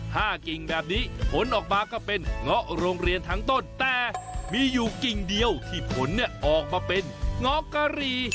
กิ่งแบบนี้ผลออกมาก็เป็นเงาะโรงเรียนทั้งต้นแต่มีอยู่กิ่งเดียวที่ผลเนี่ยออกมาเป็นเงาะกะหรี่